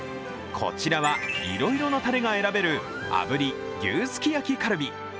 こちらは、いろいろなたれが選べる炙り牛すき焼きカルビ。